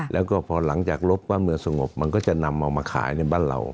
แล้วก็พอหลังจากลบว่าเมื่อสงบมันก็จะนำเอามาขายในบ้านเรา